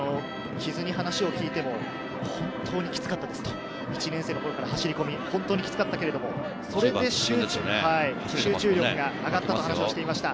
木津に話を聞いても、本当にキツかったです、１年生の頃からの走り込み、本当にきつかったけれど、それで集中力が上がったと話をしていました。